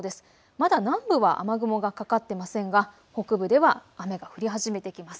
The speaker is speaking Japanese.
まだ南部は雨雲がかかっていませんが北部では雨が降り始めてきます。